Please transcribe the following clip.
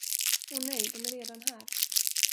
Åh nej, de är redan här.